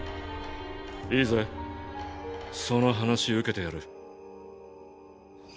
いいぜその話受けてやる。